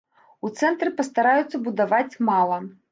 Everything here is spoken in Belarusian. У цэнтры пастараюцца будаваць мала.